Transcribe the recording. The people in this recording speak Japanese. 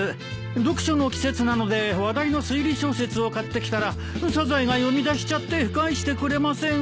読書の季節なので話題の推理小説を買ってきたらサザエが読みだしちゃって返してくれません。